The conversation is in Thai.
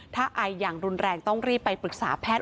ถ้าไออย่างรุนแรงต้องรีบไปปรึกษาแพทย์